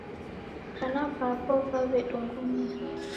Vana vapo vawedungumia.